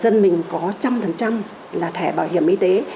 dân mình có trăm phần trăm là thẻ bảo hiểm y tế